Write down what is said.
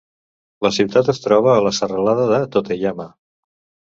La ciutat es troba a la serralada de Tateyama.